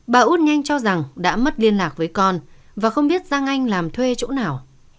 bà út nhanh cho rằng đã mất liên lạc với con và không biết giang anh làm thuê chỗ nào